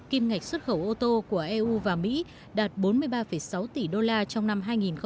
nguồn mạch xuất khẩu ô tô của eu và mỹ đạt bốn mươi ba sáu tỷ đô la trong năm hai nghìn một mươi bảy